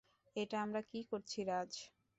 এটা আমরা কী করছি, রাজ?